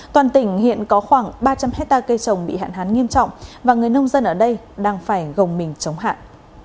toàn tỉnh hiện có khoảng ba trăm linh hectare cây trồng bị hạn hán nghiêm trọng và người nông dân ở đây đang phải gồng mình chống hạn